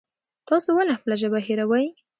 تاسو ولې خپله ژبه هېروئ؟